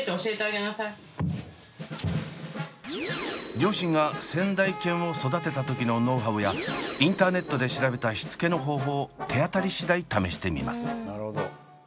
両親が先代犬を育てた時のノウハウやインターネットで調べたしつけの方法を手当たりしだい試してみます。